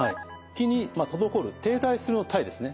気に滞る停滞するの「滞」ですね。